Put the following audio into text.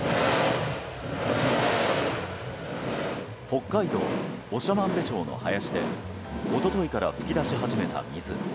北海道長万部町の林で一昨日から噴き出し始めた水。